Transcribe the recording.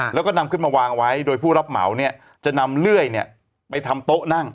แล้วก็นำขึ้นมาวางไว้โดยผู้รับเหมาเนี่ยจะนำเลื่อยไปทำโต๊ะนั่ง